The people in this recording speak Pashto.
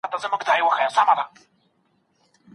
ذهن مو د نوي معلوماتو لپاره خلاص وساتئ.